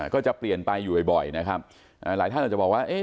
ก็จะเปลี่ยนไปอยู่บ่อยบ่อยนะครับอ่าหลายท่านอาจจะบอกว่าเอ๊ะ